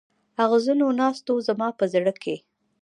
اغزنو ناستو زما په زړه کې.